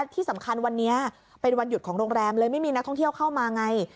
ที่สำคัญวันนี้เป็นวันหยุดของโรงแรมเลยไม่มีนักท่องเที่ยวเข้ามาไง